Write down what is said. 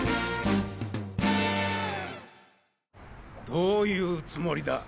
どういうつもりだ？